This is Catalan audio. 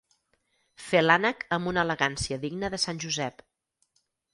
Fer l'ànec amb una elegància digna de sant Josep.